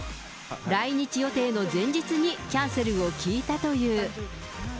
来日予定の前日にキャンセルを聞いたという。